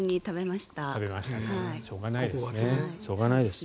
しょうがないですね。